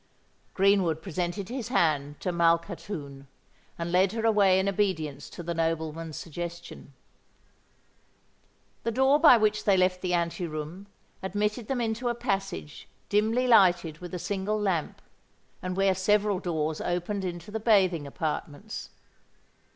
Greenwood presented his hand to Malkhatoun, and led her away in obedience to the nobleman's suggestion. The door by which they left the ante room admitted them into a passage dimly lighted with a single lamp, and where several doors opened into the bathing apartments.